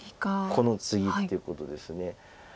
このツギっていうことです。